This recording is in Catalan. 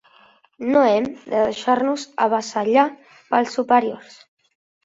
No hem de deixar-nos avassallar pels superiors.